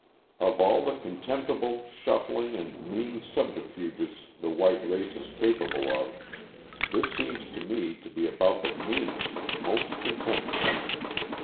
] Of all the contemptible, shuffling, and mean subterfuges the white race is capable of, this seems to me to be about the meanest and most contemptible.